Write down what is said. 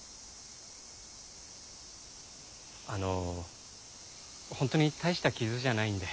あのホントに大した傷じゃないんで。